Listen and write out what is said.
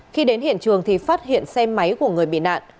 khi đến hiện trường thì phát hiện xe máy của người bị nạn